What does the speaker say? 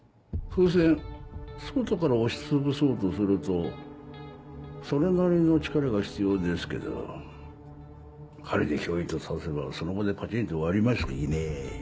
風船外から押し潰そうとするとそれなりの力が必要ですけど針でヒョイと刺せばその場でパチンと割れますいねぇ。